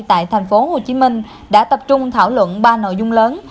tại thành phố hồ chí minh đã tập trung thảo luận ba nội dung lớn